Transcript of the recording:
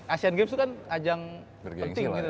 asian games kan ajang penting gitu